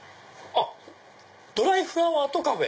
あっドライフラワーとカフェ！